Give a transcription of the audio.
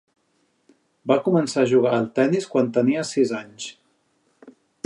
Va començar a jugar al tenis quan tenia sis anys.